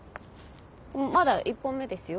まだ１本目ですよ。